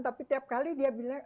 tapi tiap kali dia bilang